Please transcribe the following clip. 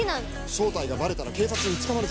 正体がバレたら警察に捕まるぞ。